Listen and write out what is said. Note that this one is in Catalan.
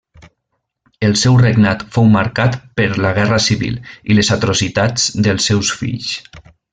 El seu regnat fou marcat per la guerra civil i les atrocitats dels seus fills.